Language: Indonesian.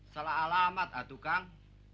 salah alamat atu kang